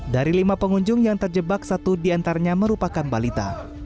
dari lima pengunjung yang terjebak satu diantaranya merupakan balita